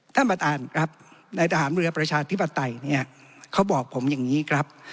ท่านประธานครับในทหารเรือประชาธิปไตยเนี่ยเขาบอกผมอย่างนี้ครับ